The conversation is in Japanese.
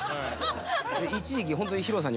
一時期。